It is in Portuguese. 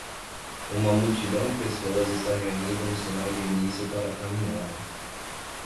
Uma multidão de pessoas está reunida no sinal de início para a caminhada.